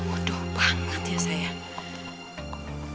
waduh banget ya sayang